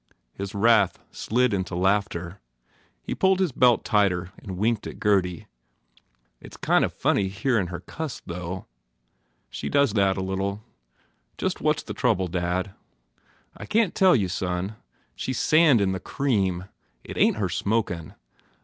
His wrath slid into laughter. He pulled his belt tighter and winked at Gurdy. "It s kind of funny hearin her cuss, though." THE FAIR REWARDS "She over does that, a little. Just what s the trouble, dad?" "I can t tell you, son. She s sand in the cream. It ain t her smokin